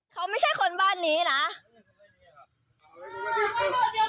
เขาไม่ใช่คนบ้านนี้นะ